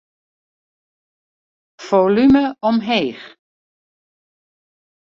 Folume omheech.